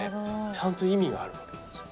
ちゃんと意味があるんですね。